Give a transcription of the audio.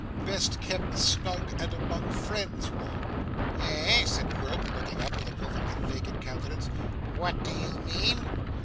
best kept snug and among friends, you know.' 'Eh!' said Quilp, looking up with a perfectly vacant countenance. 'What do you mean?